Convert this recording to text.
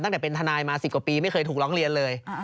ตั้งแต่เป็นทนายมา๑๐กว่าปีไม่เคยถูกร้องเรียนเลย